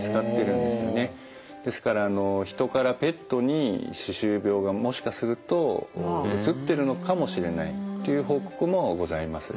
ですからあの人からペットに歯周病がもしかするとうつってるのかもしれないという報告もございます。